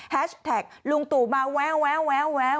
แฮชแท็กลุงตู่มาแววแววแววแวว